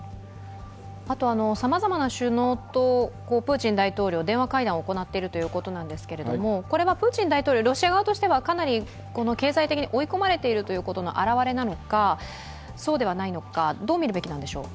さまざまな首脳とプーチン大統領、電話会談を行っているということなんですがこれはプーチン大統領、ロシア側としては、かなり経済的に追い込まれているということの表れなのかそうではないのかどう見るべきなんでしょう。